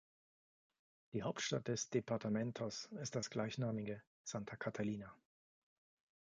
Die Hauptstadt des Departamentos ist das gleichnamige Santa Catalina.